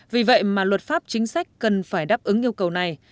vì vậy mà luật pháp chính sách cần phải đáp ứng yêu cầu này